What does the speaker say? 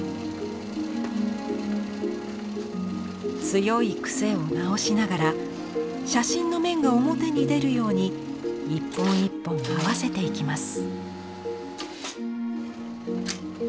強い癖を直しながら写真の面が表に出るように一本一本合わせていきます。